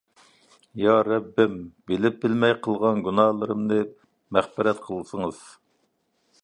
يا رەببىم، بىلىپ-بىلمەي قىلغان گۇناھلىرىمنى مەغپىرەت قىلسىڭىز.